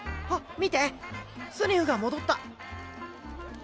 あっ見てスニフが戻った。